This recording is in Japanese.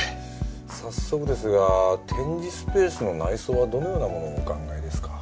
早速ですが展示スペースの内装はどのようなものをお考えですか？